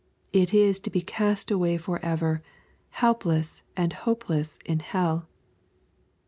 It is to be cast away forever, helpless and hopeless in hell